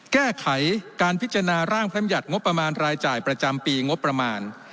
แก้ไขการพิจารณาร่างพรรมยัติงบประมาณรายจ่ายประจำปีงบประมาณ